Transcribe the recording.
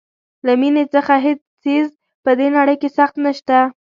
له مینې څخه هیڅ څیز په دې نړۍ کې سخت نشته.